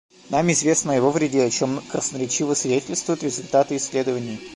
Нам известно о его вреде, о чем красноречиво свидетельствуют результаты исследований.